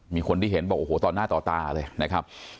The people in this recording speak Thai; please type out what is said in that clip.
มีคนที่เห็นบอกโอ้โหต่อหน้าต่อตาเลยนะครับ